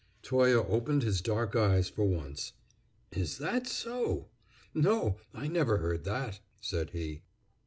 Toye opened his dark eyes for once. "Is that so? No. I never heard that," said he.